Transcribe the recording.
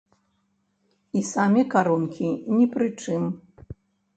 І самі карункі ні пры чым.